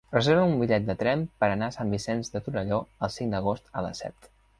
Reserva'm un bitllet de tren per anar a Sant Vicenç de Torelló el cinc d'agost a les set.